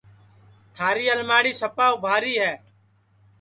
تھاری الماڑی سپا اُبھاری ہے